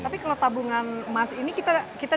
tapi kalau tabungan emas ini kita